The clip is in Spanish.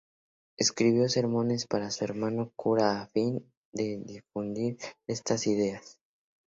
Escribió sermones para su hermano cura a fin de difundir estas ideas.